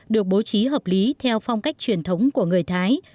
được bố trí hợp lý theo phong cách truyền thống của người thái